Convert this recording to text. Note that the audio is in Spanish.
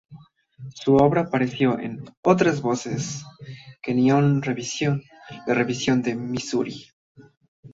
Su obra apareció en "Otras Voces", "Kenyon Revisión", "La Revisión de Misuri".